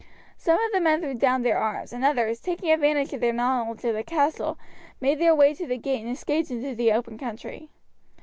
Some of the men threw down their arms, and others, taking advantage of their knowledge of the castle, made their way to the gate and escaped into the open country.